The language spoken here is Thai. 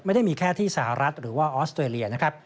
ไม่ได้มีแค่ที่สหรัฐหรือว่าออสเตรเลียนะครับ